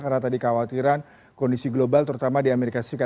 karena tadi khawatiran kondisi global terutama di amerika serikat